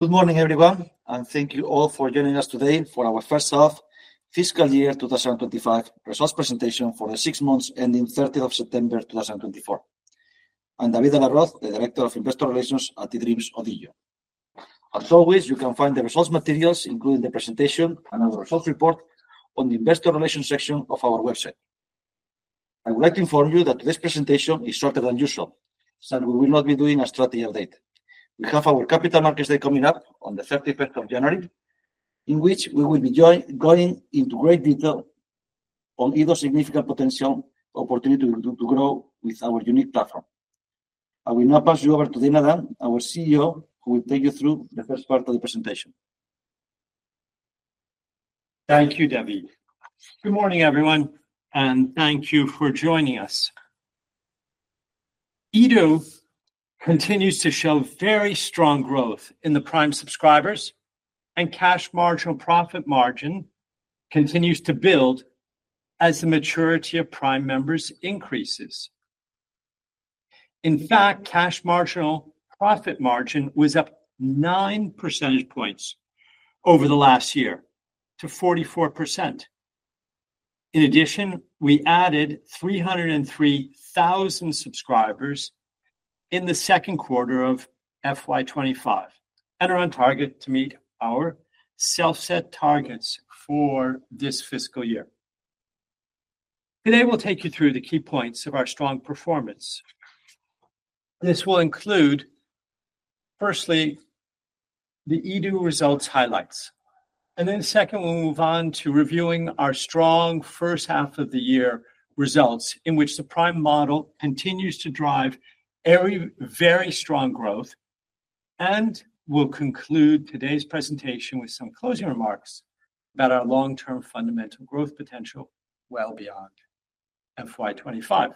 Good morning, everyone, and thank you all for joining us today for our first half, fiscal year 2025, results presentation for the six months ending 30th of September 2024. I'm David de la Roz, the Director of Investor Relations at eDreams ODIGEO. As always, you can find the results materials, including the presentation and our results report, on the Investor Relations section of our website. I would like to inform you that today's presentation is shorter than usual, so we will not be doing a strategy update. We have our Capital Markets Day coming up on the 31st of January, in which we will be going into great detail on either significant potential opportunity to grow with our unique platform. I will now pass you over to Dana, our CEO, who will take you through the first part of the presentation. Thank you, David. Good morning, everyone, and thank you for joining us. EDO continues to show very strong growth in the Prime subscribers, and cash marginal profit margin continues to build as the maturity of Prime members increases. In fact, cash marginal profit margin was up 9 percentage points over the last year to 44%. In addition, we added 303,000 subscribers in the second quarter of FY25 and are on target to meet our self-set targets for this fiscal year. Today, we'll take you through the key points of our strong performance. This will include, firstly, the EDO results highlights, and then second, we'll move on to reviewing our strong first half of the year results, in which the Prime model continues to drive very strong growth, and we'll conclude today's presentation with some closing remarks about our long-term fundamental growth potential well beyond FY25.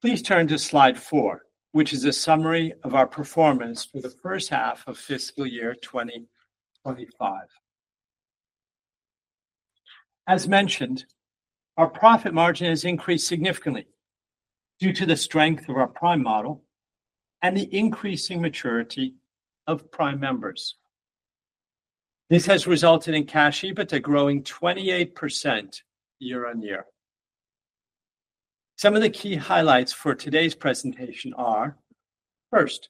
Please turn to slide four, which is a summary of our performance for the first half of fiscal year 2025. As mentioned, our profit margin has increased significantly due to the strength of our Prime model and the increasing maturity of Prime members. This has resulted in Cash EBITDA growing 28% year on year. Some of the key highlights for today's presentation are, first,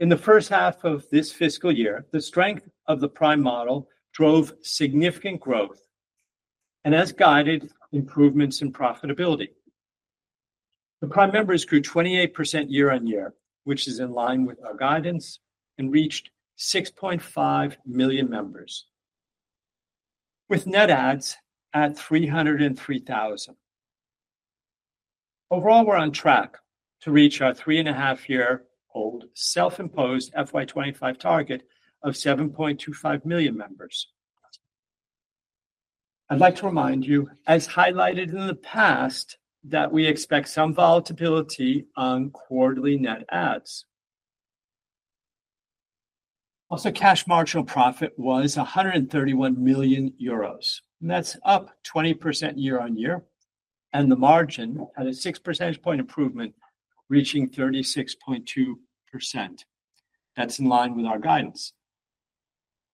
in the first half of this fiscal year, the strength of the Prime model drove significant growth and has guided improvements in profitability. The Prime members grew 28% year on year, which is in line with our guidance, and reached 6.5 million members, with Net Adds at 303,000. Overall, we're on track to reach our three-and-a-half-year-old self-imposed FY25 target of 7.25 million members. I'd like to remind you, as highlighted in the past, that we expect some volatility on quarterly Net Adds. Also, Cash Marginal Profit was 131 million euros, and that's up 20% year on year. And the margin had a 6 percentage point improvement, reaching 36.2%. That's in line with our guidance.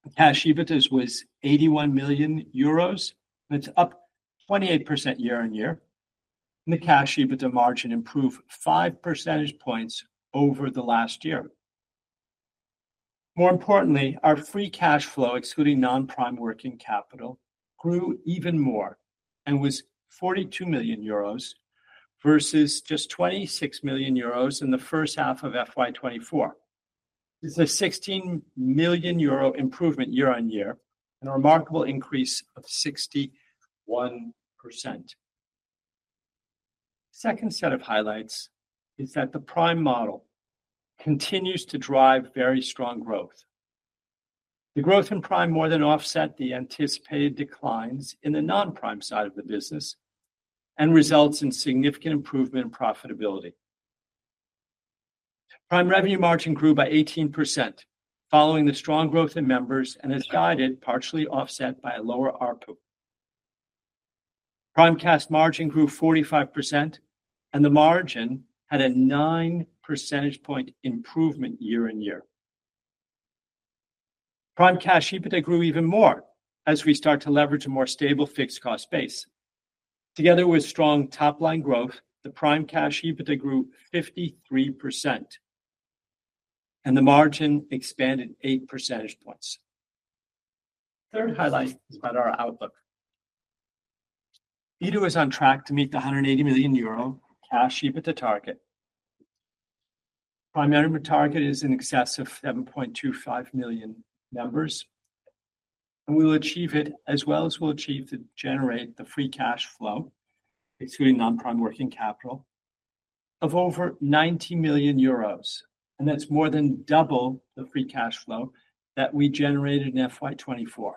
The Cash EBITDA was 81 million euros, and it's up 28% year on year. And the Cash EBITDA margin improved 5 percentage points over the last year. More importantly, our Free Cash Flow, excluding non-Prime Working Capital, grew even more and was 42 million euros versus just 26 million euros in the first half of FY 2024. It's a 16 million euro improvement year on year, a remarkable increase of 61%. The second set of highlights is that the Prime model continues to drive very strong growth. The growth in Prime more than offsets the anticipated declines in the non-Prime side of the business and results in significant improvement in profitability. Prime revenue margin grew by 18% following the strong growth in members and has guided, partially offset, by a lower ARPU. Prime cash margin grew 45%, and the margin had a 9 percentage point improvement year on year. Prime cash EBITDA grew even more as we start to leverage a more stable fixed cost base. Together with strong top-line growth, the prime cash EBITDA grew 53%, and the margin expanded 8 percentage points. The third highlight is about our outlook. EDO is on track to meet the 180 million euro cash EBITDA target. Prime revenue target is in excess of 7.25 million members, and we will achieve it as well as we'll achieve to generate the free cash flow, excluding non-prime working capital, of over 90 million euros, and that's more than double the free cash flow that we generated in FY24.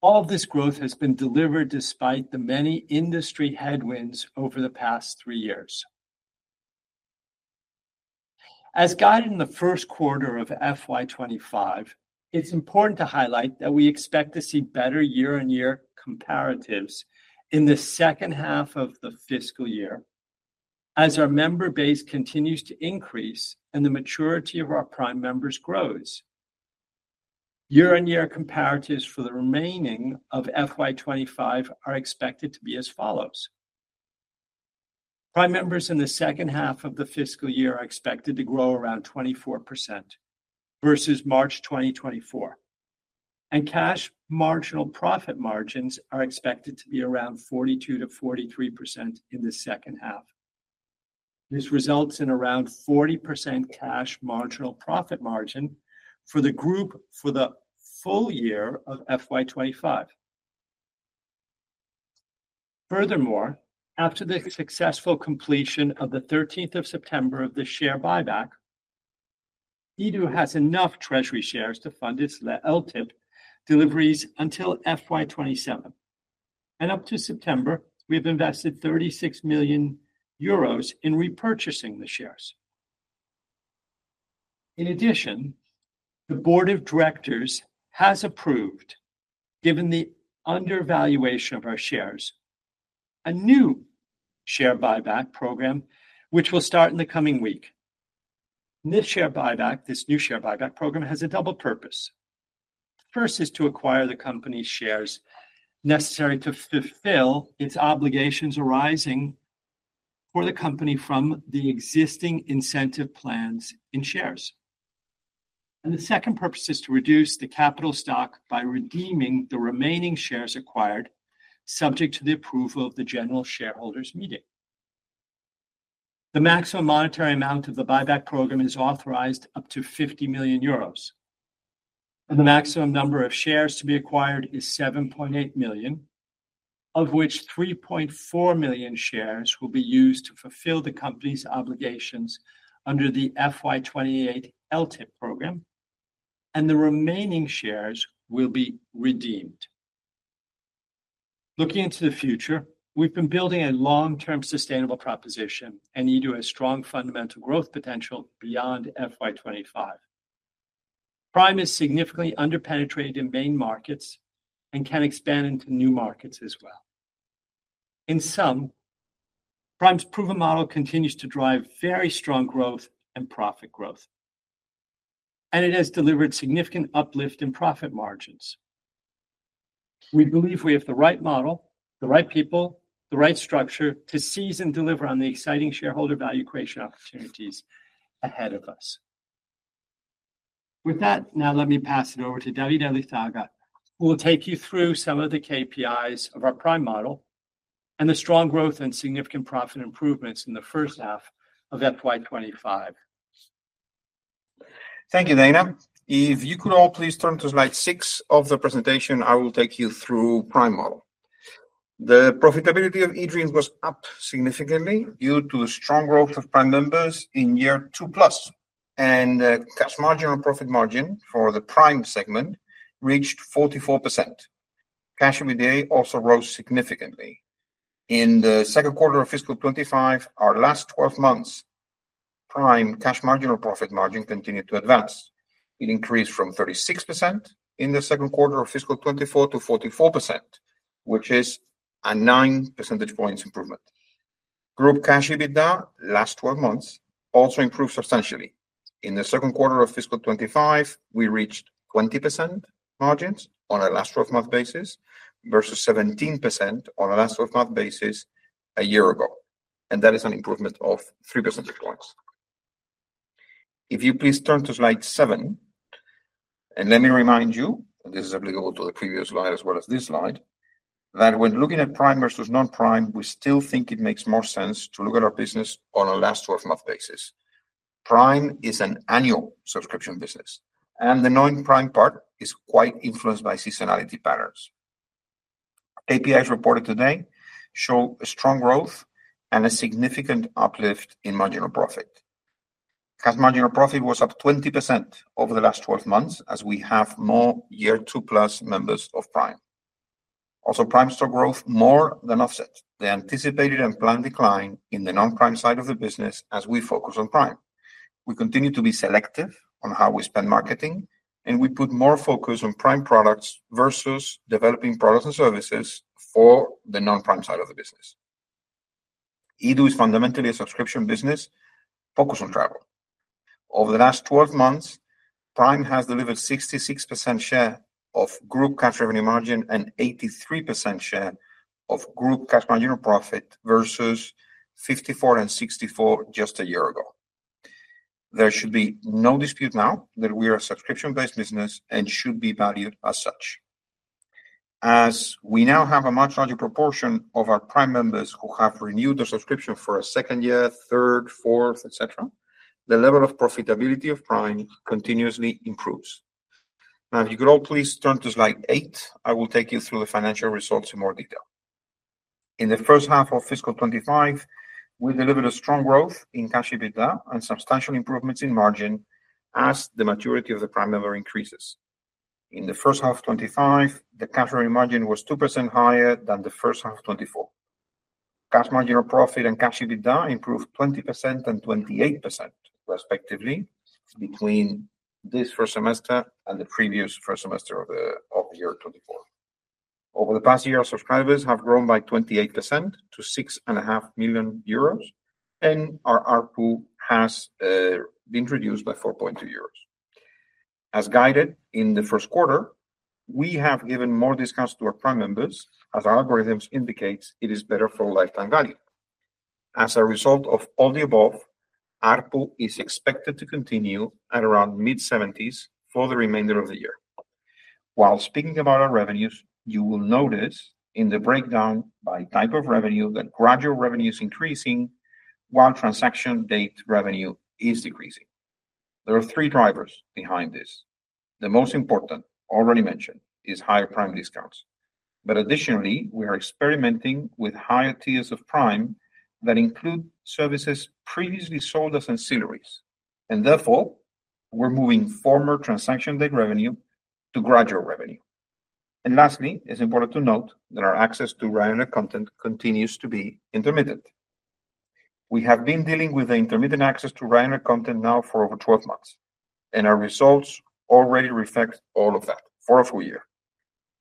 All of this growth has been delivered despite the many industry headwinds over the past three years. As guided in the first quarter of FY25, it's important to highlight that we expect to see better year-on-year comparatives in the second half of the fiscal year as our member base continues to increase and the maturity of our Prime members grows. Year-on-year comparatives for the remaining of FY25 are expected to be as follows. Prime members in the second half of the fiscal year are expected to grow around 24% versus March 2024. And Cash Marginal Profit margins are expected to be around 42%-43% in the second half. This results in around 40% Cash Marginal Profit margin for the group for the full year of FY25. Furthermore, after the successful completion of the 13th of September of the share buyback, EDO has enough treasury shares to fund its LTIP deliveries until FY27, and up to September, we have invested 36 million euros in repurchasing the shares. In addition, the Board of Directors has approved, given the undervaluation of our shares, a new share buyback program, which will start in the coming week. This share buyback, this new share buyback program, has a double purpose. First is to acquire the company's shares necessary to fulfill its obligations arising for the company from the existing incentive plans in shares, and the second purpose is to reduce the capital stock by redeeming the remaining shares acquired, subject to the approval of the general shareholders' meeting. The maximum monetary amount of the buyback program is authorized up to 50 million euros. The maximum number of shares to be acquired is 7.8 million, of which 3.4 million shares will be used to fulfill the company's obligations under the FY28 LTIP program, and the remaining shares will be redeemed. Looking into the future, we've been building a long-term sustainable proposition, and EDO has strong fundamental growth potential beyond FY25. Prime is significantly underpenetrated in main markets and can expand into new markets as well. In sum, Prime's proven model continues to drive very strong growth and profit growth, and it has delivered significant uplift in profit margins. We believe we have the right model, the right people, the right structure to seize and deliver on the exciting shareholder value creation opportunities ahead of us. With that, now let me pass it over to David Elizaga, who will take you through some of the KPIs of our Prime model and the strong growth and significant profit improvements in the first half of FY25. Thank you, Dana. If you could all please turn to slide six of the presentation, I will take you through Prime model. The profitability of eDreams was up significantly due to the strong growth of Prime members in year 2+, and the cash margin and profit margin for the Prime segment reached 44%. Cash EBITDA also rose significantly. In the second quarter of fiscal 25, our last 12 months, Prime cash margin and profit margin continued to advance. It increased from 36% in the second quarter of fiscal 24 to 44%, which is a 9 percentage points improvement. Group cash EBITDA last 12 months also improved substantially. In the second quarter of fiscal 25, we reached 20% margins on a last 12-month basis versus 17% on a last 12-month basis a year ago, and that is an improvement of 3 percentage points. If you please turn to slide seven, and let me remind you, and this is applicable to the previous slide as well as this slide, that when looking at Prime versus non-Prime, we still think it makes more sense to look at our business on a last 12-month basis. Prime is an annual subscription business, and the non-Prime part is quite influenced by seasonality patterns. KPIs reported today show strong growth and a significant uplift in marginal profit. Cash margin and profit was up 20% over the last 12 months as we have more year 2+ members of Prime. Also, Prime stock growth more than offset the anticipated and planned decline in the non-Prime side of the business as we focus on Prime. We continue to be selective on how we spend marketing, and we put more focus on Prime products versus developing products and services for the non-Prime side of the business. EDO is fundamentally a subscription business focused on travel. Over the last 12 months, Prime has delivered 66% share of group cash revenue margin and 83% share of group cash margin and profit versus 54% and 64% just a year ago. There should be no dispute now that we are a subscription-based business and should be valued as such. As we now have a much larger proportion of our Prime members who have renewed their subscription for a second year, third, fourth, etc., the level of profitability of Prime continuously improves. Now, if you could all please turn to slide eight, I will take you through the financial results in more detail. In the first half of fiscal 2025, we delivered a strong growth in Cash EBITDA and substantial improvements in margin as the maturity of the Prime member increases. In the first half of 2025, the cash revenue margin was 2% higher than the first half of 2024. Cash margin and profit and Cash EBITDA improved 20% and 28% respectively between this first semester and the previous first semester of the year 2024. Over the past year, our subscribers have grown by 28% to 6.5 million euros, and our ARPU has been reduced by 4.2 euros. As guided in the first quarter, we have given more discounts to our Prime members as our algorithms indicate it is better for lifetime value. As a result of all the above, ARPU is expected to continue at around mid-70s for the remainder of the year. While speaking about our revenues, you will notice in the breakdown by type of revenue that recurring revenue is increasing while transaction-based revenue is decreasing. There are three drivers behind this. The most important, already mentioned, is higher Prime discounts. But additionally, we are experimenting with higher tiers of Prime that include services previously sold as ancillaries. And therefore, we're moving former transaction-based revenue to recurring revenue. And lastly, it's important to note that our access to regular content continues to be intermittent. We have been dealing with the intermittent access to regular content now for over 12 months, and our results already reflect all of that for a full year.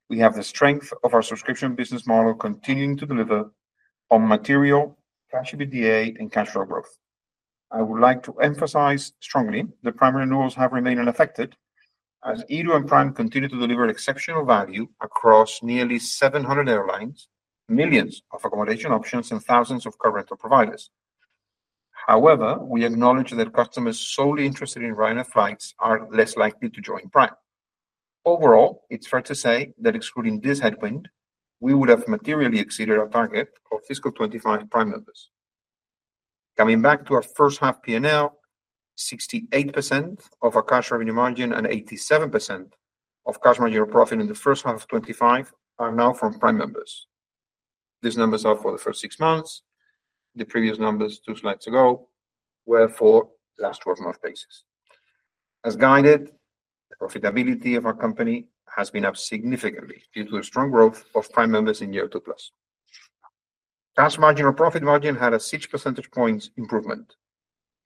We have the strength of our subscription business model continuing to deliver on material Cash EBITDA and cash flow growth. I would like to emphasize strongly that primary renewals have remained unaffected as EDO and Prime continue to deliver exceptional value across nearly 700 airlines, millions of accommodation options, and thousands of car rental providers. However, we acknowledge that customers solely interested in Ryanair flights are less likely to join Prime. Overall, it's fair to say that excluding this headwind, we would have materially exceeded our target for fiscal 25 Prime members. Coming back to our first half P&L, 68% of our cash revenue margin and 87% of cash marginal profit in the first half of 25 are now from Prime members. These numbers are for the first six months. The previous numbers two slides ago were for last 12-month basis. As guided, the profitability of our company has been up significantly due to the strong growth of Prime members in year 2+. Cash margin or profit margin had a 6 percentage points improvement.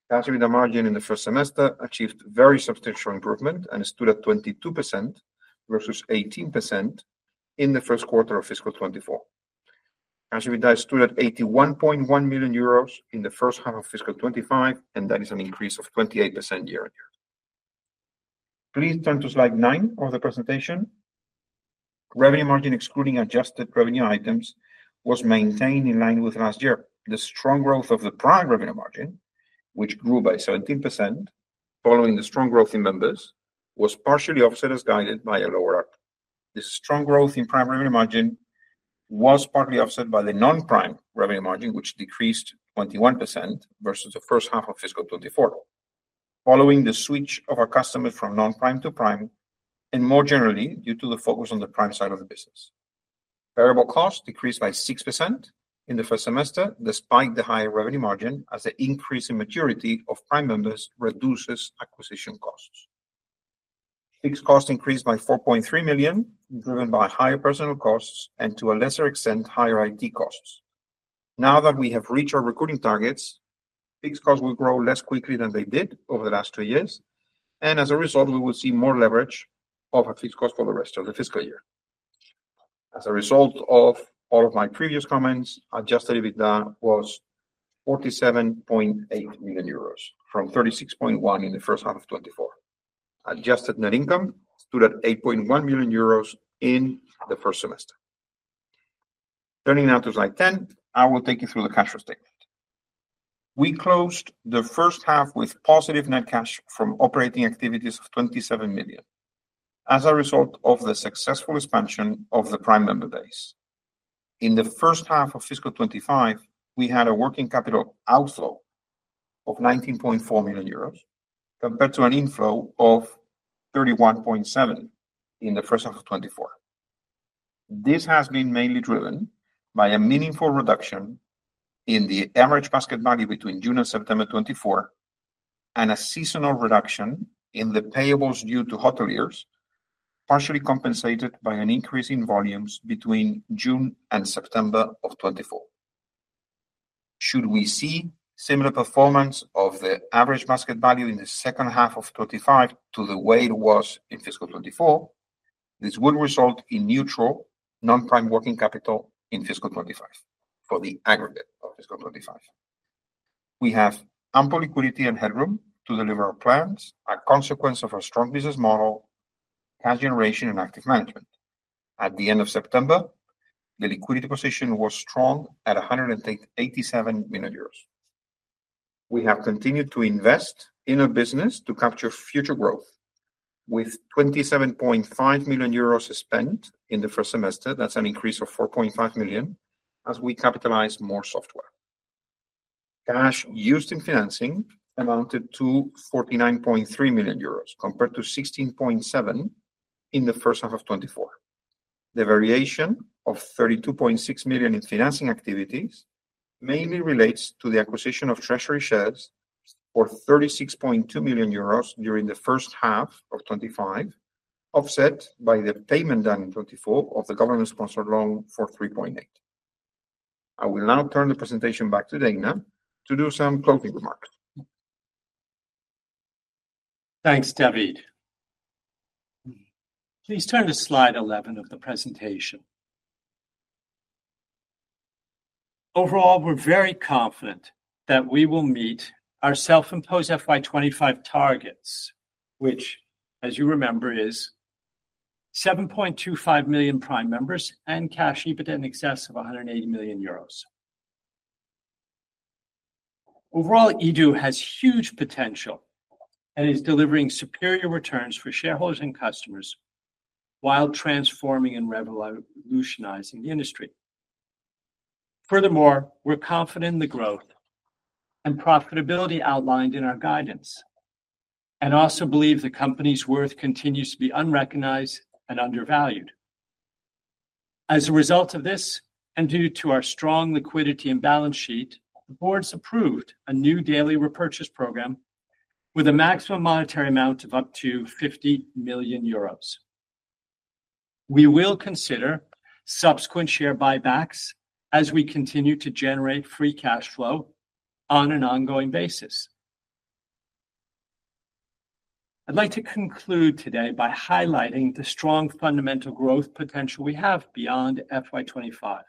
Cash EBITDA margin in the first semester achieved very substantial improvement and stood at 22% versus 18% in the first quarter of fiscal 24. Cash EBITDA stood at 81.1 million euros in the first half of fiscal 25, and that is an increase of 28% year on year. Please turn to slide nine of the presentation. Revenue margin excluding adjusted revenue items was maintained in line with last year. The strong growth of the Prime revenue margin, which grew by 17% following the strong growth in members, was partially offset as guided by a lower ARPU. The strong growth in Prime revenue margin was partly offset by the non-Prime revenue margin, which decreased 21% versus the first half of fiscal 2024, following the switch of our customers from non-Prime to Prime and more generally due to the focus on the Prime side of the business. Variable costs decreased by 6% in the first semester despite the higher revenue margin as the increase in maturity of Prime members reduces acquisition costs. Fixed costs increased by 4.3 million, driven by higher personnel costs and to a lesser extent, higher IT costs. Now that we have reached our recruiting targets, fixed costs will grow less quickly than they did over the last two years, and as a result, we will see more leverage of our fixed costs for the rest of the fiscal year. As a result of all of my previous comments, Adjusted EBITDA was 47.8 million euros from 36.1 in the first half of 2024. Adjusted Net Income stood at 8.1 million euros in the first semester. Turning now to slide 10, I will take you through the cash flow statement. We closed the first half with positive net cash from operating activities of 27 million as a result of the successful expansion of the Prime member base. In the first half of fiscal 2025, we had a working capital outflow of 19.4 million euros compared to an inflow of 31.7 in the first half of 2024. This has been mainly driven by a meaningful reduction in the Average Basket Value between June and September 2024 and a seasonal reduction in the payables due to hoteliers, partially compensated by an increase in volumes between June and September of 2024. Should we see similar performance of the average basket value in the second half of 2025 to the way it was in fiscal 2024, this would result in neutral non-Prime working capital in fiscal 2025 for the aggregate of fiscal 2025. We have ample liquidity and headroom to deliver our plans as a consequence of our strong business model, cash generation, and active management. At the end of September, the liquidity position was strong at 187 million euros. We have continued to invest in our business to capture future growth with 27.5 million euros spent in the first semester. That's an increase of 4.5 million as we capitalize more software. Cash used in financing amounted to 49.3 million euros compared to 16.7 in the first half of 2024. The variation of 32.6 million in financing activities mainly relates to the acquisition of treasury shares for 36.2 million euros during the first half of 2025, offset by the payment done in 2024 of the government-sponsored loan for 3.8 million. I will now turn the presentation back to Dana to do some closing remarks. Thanks, David. Please turn to slide 11 of the presentation. Overall, we're very confident that we will meet our self-imposed FY25 targets, which, as you remember, is 7.25 million prime members and cash EBITDA in excess of 180 million euros. Overall, EDO has huge potential and is delivering superior returns for shareholders and customers while transforming and revolutionizing the industry. Furthermore, we're confident in the growth and profitability outlined in our guidance and also believe the company's worth continues to be unrecognized and undervalued. As a result of this and due to our strong liquidity and balance sheet, the board's approved a new daily repurchase program with a maximum monetary amount of up to 50 million euros. We will consider subsequent share buybacks as we continue to generate free cash flow on an ongoing basis. I'd like to conclude today by highlighting the strong fundamental growth potential we have beyond FY25.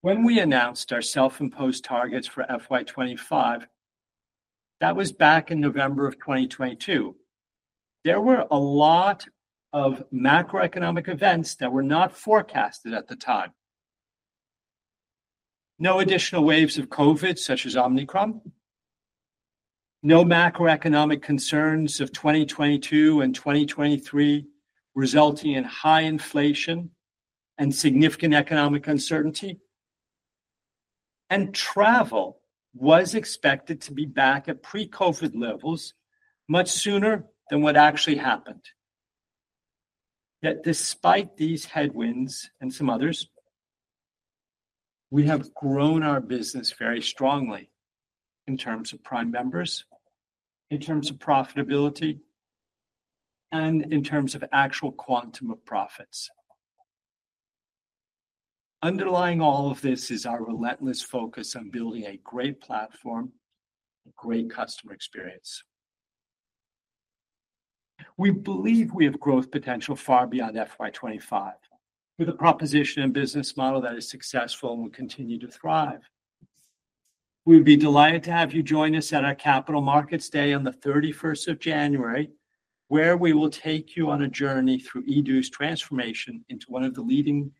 When we announced our self-imposed targets for FY25, that was back in November of 2022. There were a lot of macroeconomic events that were not forecasted at the time, no additional waves of COVID, such as Omicron, no macroeconomic concerns of 2022 and 2023 resulting in high inflation and significant economic uncertainty, and travel was expected to be back at pre-COVID levels much sooner than what actually happened. Yet, despite these headwinds and some others, we have grown our business very strongly in terms of Prime members, in terms of profitability, and in terms of actual quantum of profits. Underlying all of this is our relentless focus on building a great platform, a great customer experience. We believe we have growth potential far beyond FY25 with a proposition and business model that is successful and will continue to thrive. We'd be delighted to have you join us at our Capital Markets Day on the 31st of January, where we will take you on a journey through EDO's transformation into one of the leading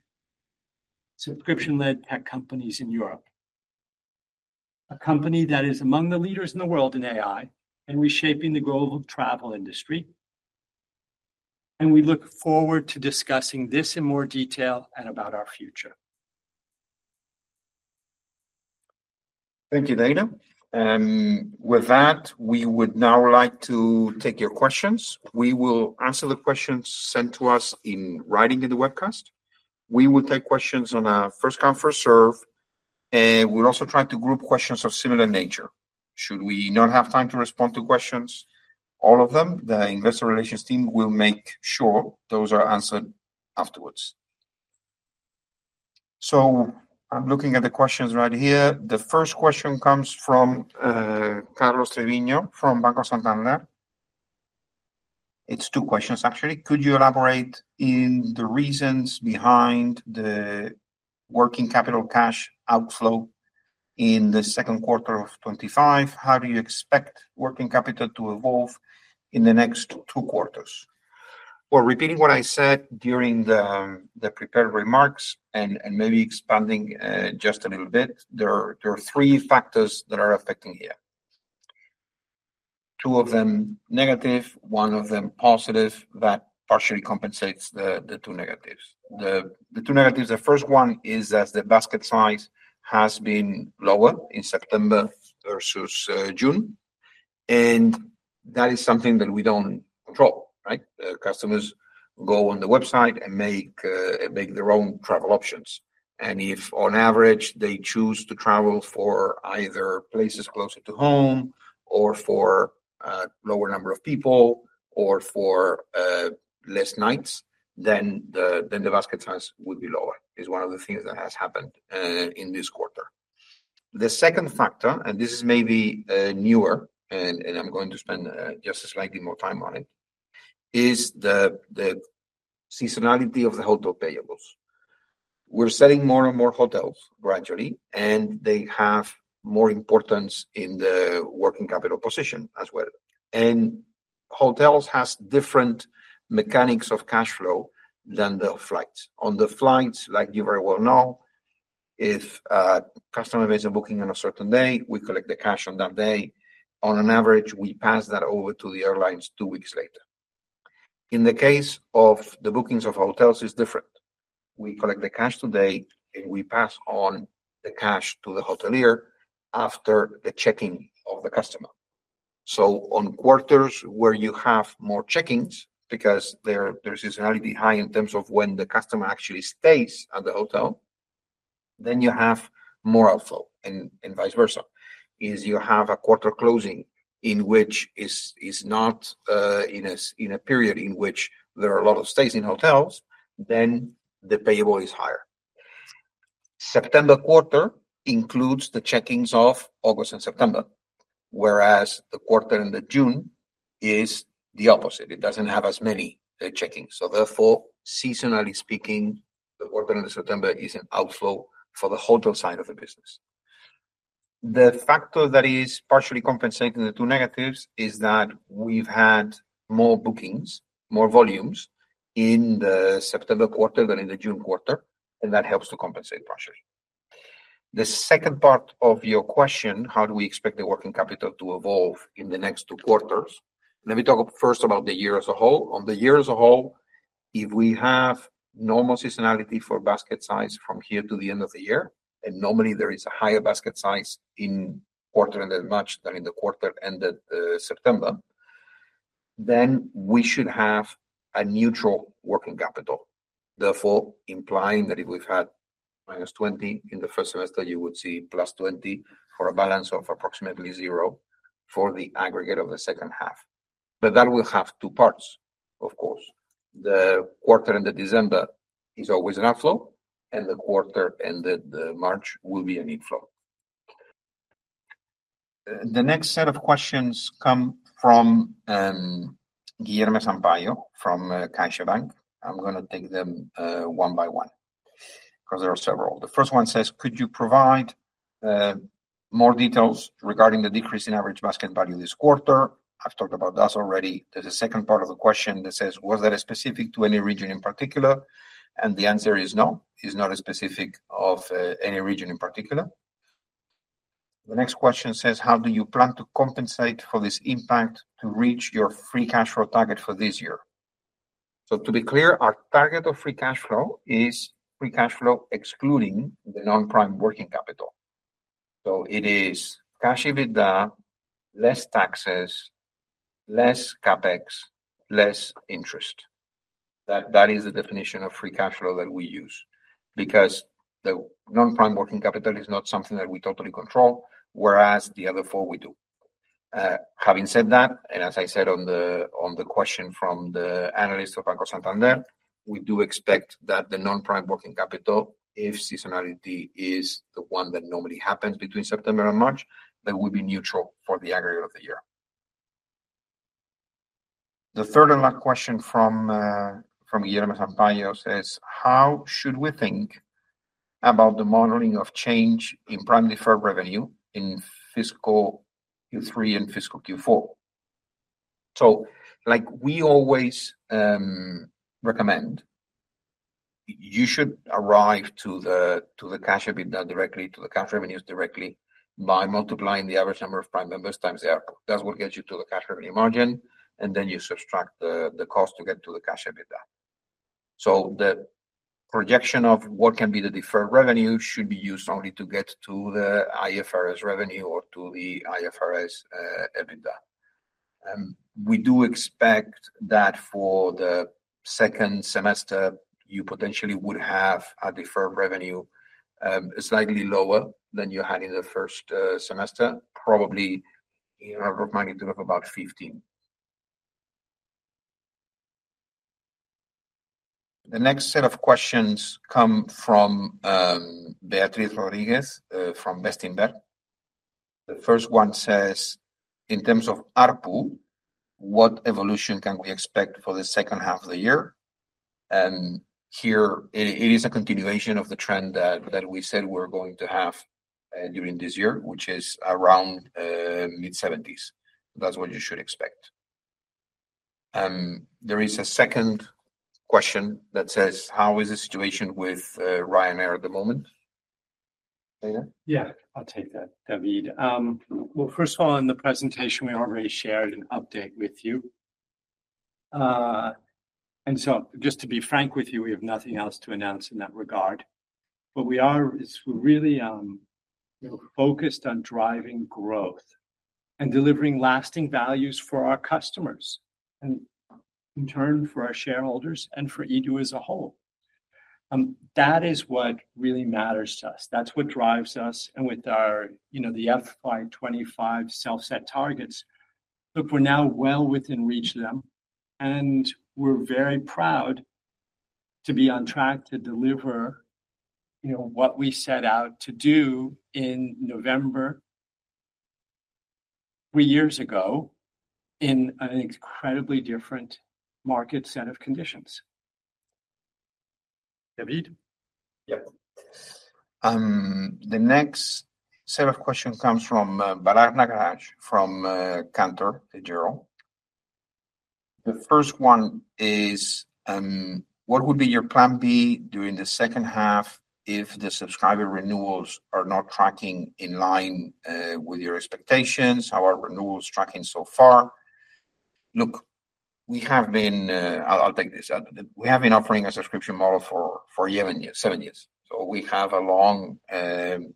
subscription-led tech companies in Europe, a company that is among the leaders in the world in AI and reshaping the global travel industry, and we look forward to discussing this in more detail and about our future. Thank you, Dana. With that, we would now like to take your questions. We will answer the questions sent to us in writing in the webcast. We will take questions on a first-come, first-served, and we'll also try to group questions of similar nature. Should we not have time to respond to questions, all of them, the investor relations team will make sure those are answered afterwards. So I'm looking at the questions right here. The first question comes from Carlos Treviño from Banco Santander. It's two questions, actually. Could you elaborate on the reasons behind the working capital cash outflow in the second quarter of 2025? How do you expect working capital to evolve in the next two quarters? Repeating what I said during the prepared remarks and maybe expanding just a little bit, there are three factors that are affecting here. Two of them negative, one of them positive that partially compensates the two negatives. The two negatives, the first one is as the basket size has been lower in September versus June. And that is something that we don't control, right? Customers go on the website and make their own travel options. And if on average, they choose to travel for either places closer to home or for a lower number of people or for less nights, then the basket size would be lower is one of the things that has happened in this quarter. The second factor, and this is maybe newer, and I'm going to spend just a slightly more time on it, is the seasonality of the hotel payables. We're selling more and more hotels gradually, and they have more importance in the working capital position as well, and hotels have different mechanics of cash flow than the flights. On the flights, like you very well know, if customers are booking on a certain day, we collect the cash on that day. On average, we pass that over to the airlines two weeks later. In the case of the bookings of hotels, it's different. We collect the cash today, and we pass on the cash to the hotelier after the checking of the customer, so on quarters where you have more checkin-ins because there's seasonality high in terms of when the customer actually stays at the hotel, then you have more outflow and vice versa. If you have a quarter closing in which is not in a period in which there are a lot of stays in hotels, then the payables are higher. September quarter includes the check-ins of August and September, whereas the quarter in June is the opposite. It doesn't have as many check-ins. So therefore, seasonally speaking, the quarter in September is an outflow for the hotel side of the business. The factor that is partially compensating the two negatives is that we've had more bookings, more volumes in the September quarter than in the June quarter, and that helps to compensate partially. The second part of your question, how do we expect the working capital to evolve in the next two quarters? Let me talk first about the year as a whole. On the year as a whole, if we have normal seasonality for basket size from here to the end of the year, and normally there is a higher basket size in quarter-ended March than in the quarter-ended September, then we should have a neutral working capital. Therefore, implying that if we've had -20 in the first semester, you would see +20 for a balance of approximately zero for the aggregate of the second half. But that will have two parts, of course. The quarter-ended December is always an outflow, and the quarter-ended March will be an inflow. The next set of questions come from Guilherme Sampaio from CaixaBank. I'm going to take them one by one because there are several. The first one says, "Could you provide more details regarding the decrease in average basket value this quarter?" I've talked about that already. There's a second part of the question that says, "Was that specific to any region in particular?" And the answer is no, it's not specific to any region in particular. The next question says, "How do you plan to compensate for this impact to reach your free cash flow target for this year? To be clear, our target of Free Cash Flow is Free Cash Flow excluding the non-Prime Working Capital. So it is Cash EBITDA, less taxes, less CapEx, less interest. That is the definition of Free Cash Flow that we use because the non-Prime Working Capital is not something that we totally control, whereas the other four we do. Having said that, and as I said on the question from the analyst of Banco Santander, we do expect that the non-Prime Working Capital, if seasonality is the one that normally happens between September and March, that will be neutral for the aggregate of the year. The third and last question from Guilherme Sampaio says, "How should we think about the modeling of change in Prime deferred revenue in fiscal Q3 and fiscal Q4? So like we always recommend, you should arrive to the Cash EBITDA directly, to the cash revenues directly by multiplying the average number of Prime members times the output. That's what gets you to the cash revenue margin, and then you subtract the cost to get to the Cash EBITDA. So the projection of what can be the deferred revenue should be used only to get to the IFRS revenue or to the IFRS EBITDA. We do expect that for the second semester, you potentially would have a deferred revenue slightly lower than you had in the first semester, probably in an order of magnitude of about 15. The next set of questions come from Beatriz Rodríguez from Bestinver. The first one says, "In terms of ARPU, what evolution can we expect for the second half of the year?" Here, it is a continuation of the trend that we said we're going to have during this year, which is around mid-70s. That's what you should expect. There is a second question that says, "How is the situation with Ryanair at the moment?" Dana? Yeah, I'll take that, David. Well, first of all, in the presentation, we already shared an update with you. And so just to be frank with you, we have nothing else to announce in that regard. What we are is we're really focused on driving growth and delivering lasting values for our customers and in turn for our shareholders and for EDO as a whole. That is what really matters to us. That's what drives us. And with the FY25 self-set targets, look, we're now well within reach of them. And we're very proud to be on track to deliver what we set out to do in November three years ago in an incredibly different market set of conditions. David? Yep. The next set of questions comes from Bhavesh Nagarajan from Cantor Fitzgerald. The first one is, "What would be your plan B during the second half if the subscriber renewals are not tracking in line with your expectations? How are renewals tracking so far?" Look, we have been offering a subscription model for seven years. So we have a long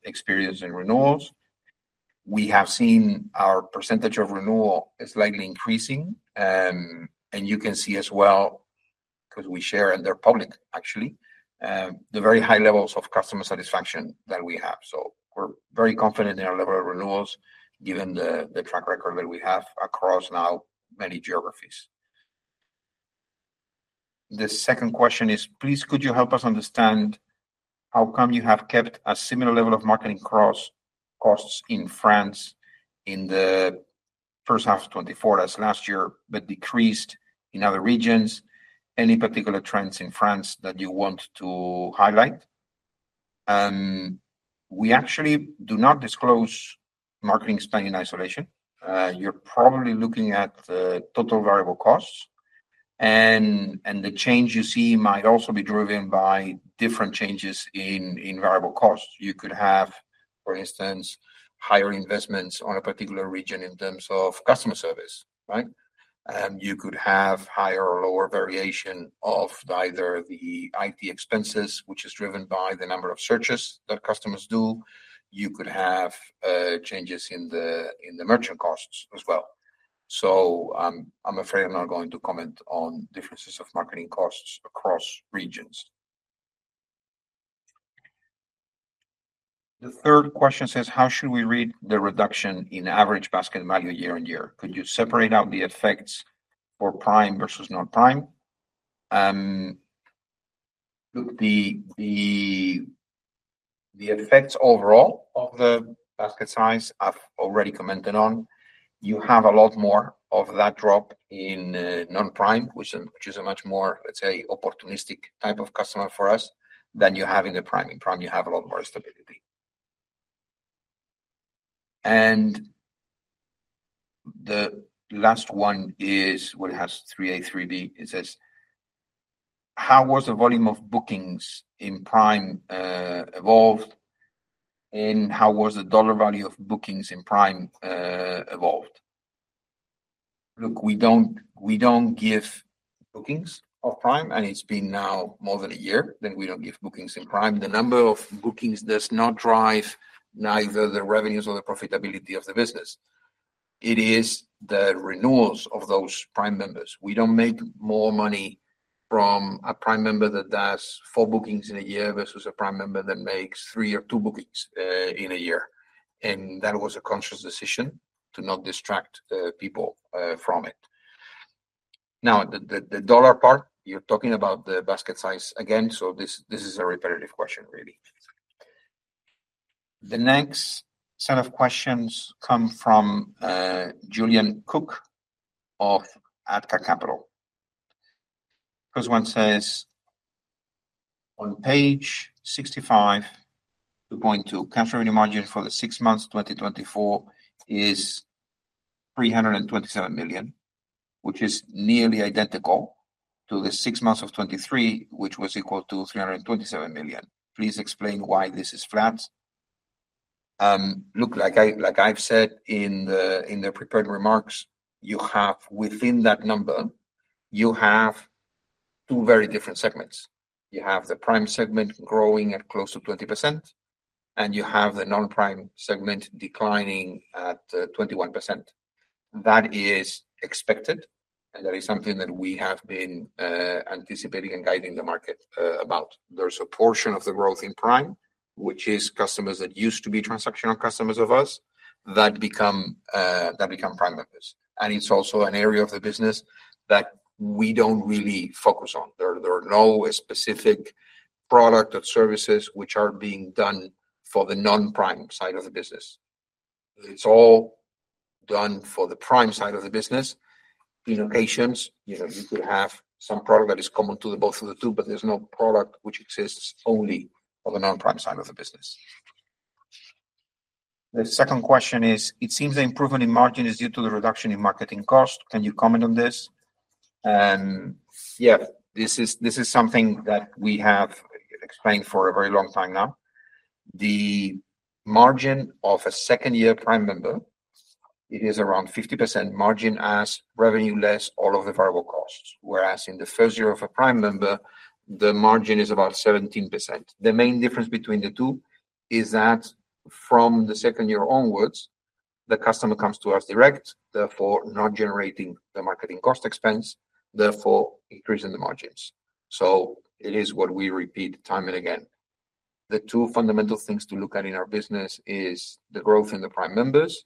experience in renewals. We have seen our percentage of renewal slightly increasing. And you can see as well, because we share and they're public, actually, the very high levels of customer satisfaction that we have. So we're very confident in our level of renewals given the track record that we have across now many geographies. The second question is, "Please, could you help us understand how come you have kept a similar level of marketing costs in France in the first half of 2024 as last year, but decreased in other regions? Any particular trends in France that you want to highlight?" We actually do not disclose marketing spend in isolation. You're probably looking at total variable costs. And the change you see might also be driven by different changes in variable costs. You could have, for instance, higher investments on a particular region in terms of customer service, right? You could have higher or lower variation of either the IT expenses, which is driven by the number of searches that customers do. You could have changes in the merchant costs as well. So I'm afraid I'm not going to comment on differences of marketing costs across regions. The third question says, "How should we read the reduction in average basket value year on year? Could you separate out the effects for Prime versus non-Prime?" Look, the effects overall of the basket size, I've already commented on. You have a lot more of that drop in non-Prime, which is a much more, let's say, opportunistic type of customer for us than you have in the Prime. In Prime, you have a lot more stability. And the last one is what has 3A3D. It says, "How was the volume of bookings in Prime evolved? And how was the dollar value of bookings in Prime evolved?" Look, we don't give bookings of Prime, and it's been now more than a year that we don't give bookings in Prime. The number of bookings does not drive neither the revenues or the profitability of the business. It is the renewals of those Prime members. We don't make more money from a Prime member that does four bookings in a year versus a Prime member that makes three or two bookings in a year. And that was a conscious decision to not distract people from it. Now, the dollar part, you're talking about the basket size again. So this is a repetitive question, really. The next set of questions come from Julian Cook of Atka Capital. First one says, "On page 65, 2.2, cash revenue margin for the six months 2024 is 327 million, which is nearly identical to the six months of '23, which was equal to 327 million. Please explain why this is flat." Look, like I've said in the prepared remarks, within that number, you have two very different segments. You have the Prime segment growing at close to 20%, and you have the non-Prime segment declining at 21%. That is expected, and that is something that we have been anticipating and guiding the market about. There's a portion of the growth in Prime, which is customers that used to be transactional customers of us that become Prime members. And it's also an area of the business that we don't really focus on. There are no specific products or services which are being done for the non-Prime side of the business. It's all done for the Prime side of the business. On occasions, you could have some product that is common to both of the two, but there's no product which exists only for the non-Prime side of the business. The second question is, "It seems the improvement in margin is due to the reduction in marketing cost. Can you comment on this?" "Yeah, this is something that we have explained for a very long time now. The margin of a second-year Prime member is around 50% margin as revenue less all of the variable costs, whereas in the first year of a Prime member, the margin is about 17%. The main difference between the two is that from the second year onwards, the customer comes to us direct, therefore not generating the marketing cost expense, therefore increasing the margins. So it is what we repeat time and again. The two fundamental things to look at in our business are the growth in the Prime members,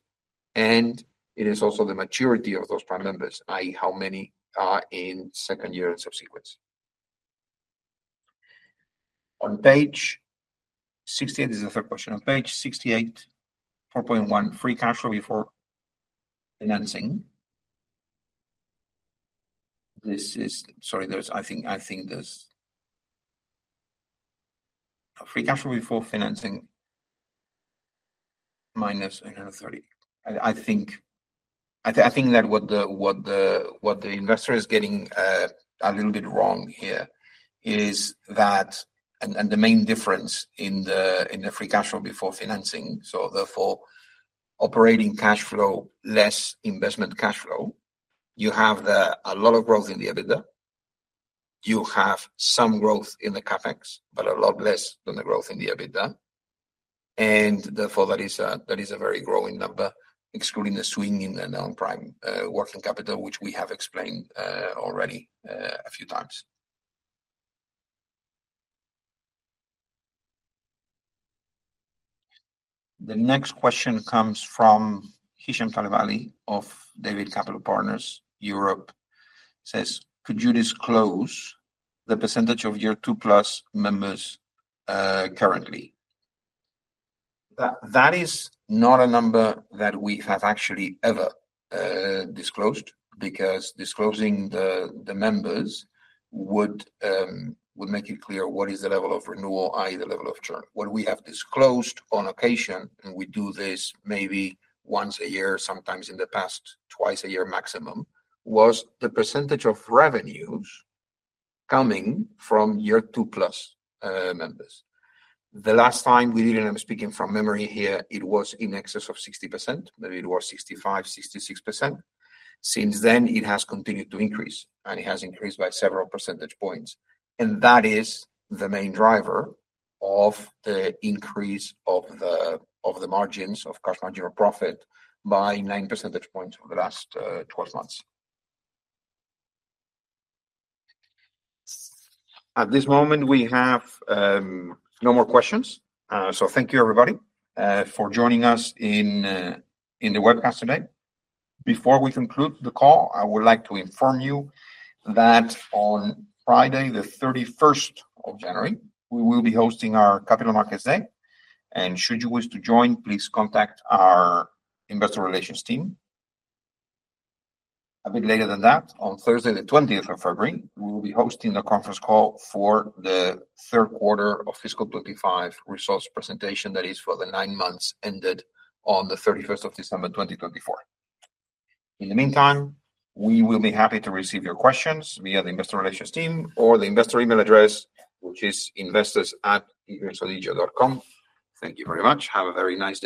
and it is also the maturity of those Prime members, i.e., how many are in second year and subsequent. On page 68, this is the third question. On page 68, 4.1, free cash flow before financing. Sorry, I think there's a free cash flow before financing -30. I think that what the investor is getting a little bit wrong here is that, and the main difference in the free cash flow before financing, so therefore operating cash flow less investment cash flow, you have a lot of growth in the EBITDA. You have some growth in the CapEx, but a lot less than the growth in the EBITDA. And therefore, that is a very growing number, excluding the swing in the non-prime working capital, which we have explained already a few times. The next question comes from Hisham Talebali of David Capital Partners, Europe. It says, "Could you disclose the percentage of your 2+ members currently? That is not a number that we have actually ever disclosed because disclosing the members would make it clear what is the level of renewal, i.e., the level of churn. What we have disclosed on occasion, and we do this maybe once a year, sometimes in the past twice a year maximum, was the percentage of revenues coming from your 2+ members. The last time we did, and I'm speaking from memory here, it was in excess of 60%. Maybe it was 65%-66%. Since then, it has continued to increase, and it has increased by several percentage points. And that is the main driver of the increase of the margins of cash margin or profit by 9 percentage points over the last 12 months. At this moment, we have no more questions. So thank you, everybody, for joining us in the webcast today. Before we conclude the call, I would like to inform you that on Friday, the 31st of January, we will be hosting our Capital Markets Day. And should you wish to join, please contact our investor relations team. A bit later than that, on Thursday, the 20th of February, we will be hosting the conference call for the third quarter of fiscal 25 results presentation that is for the nine months ended on the 31st of December 2024. In the meantime, we will be happy to receive your questions via the investor relations team or the investor email address, which is investors@edreamsodigeo.com. Thank you very much. Have a very nice.